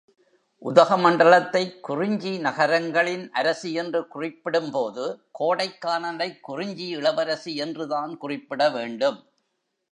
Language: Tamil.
உதகமண்டலத்தைக் குறிஞ்சி நகரங்களின் அரசி என்று குறிப்பிடும்போது, கோடைக்கானலைக் குறிஞ்சி இளவரசி என்றுதான் குறிப்பிட வேண்டும்.